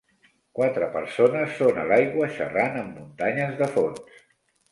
Quatre persones són a l'aigua xerrant amb muntanyes de fons.